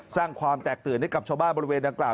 สร้างความแตกตื่นให้กับชาวบ้านบริเวณดังกล่าว